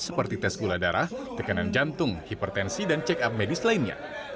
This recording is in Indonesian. seperti tes gula darah tekanan jantung hipertensi dan check up medis lainnya